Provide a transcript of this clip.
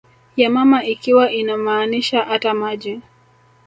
ya mama ikiwa inamaanisha ata maji